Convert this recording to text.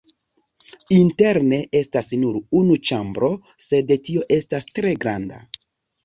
Interne estas nur unu ĉambro, sed tio estas tre granda.